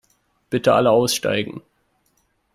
Bitte alle aussteigen.